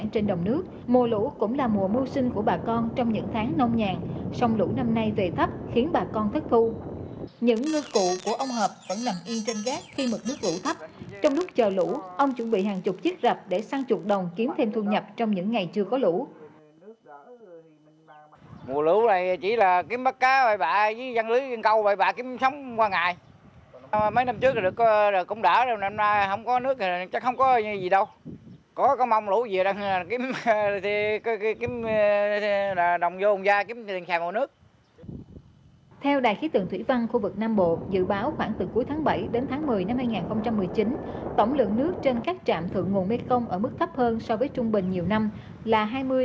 tổng lượng nước trên các trạm thượng nguồn mê công ở mức thấp hơn so với trung bình nhiều năm là hai mươi ba mươi